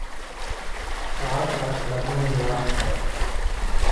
غټ غټ ګامونه یې واخیستل.